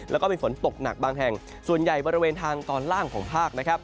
แล้วก็มีฝนตกหนักบางแห่งส่วนใหญ่บริเวณทางตอนล่างของภาคนะครับ